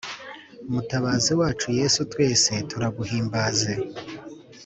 Mutabazi wacu yesu twese turaguhimbaze